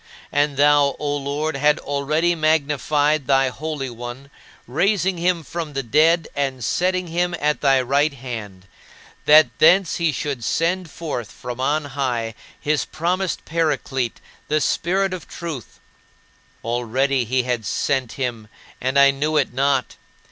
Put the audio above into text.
And thou, O Lord, had already magnified thy Holy One, raising him from the dead and setting him at thy right hand, that thence he should send forth from on high his promised "Paraclete, the Spirit of Truth." Already he had sent him, and I knew it not.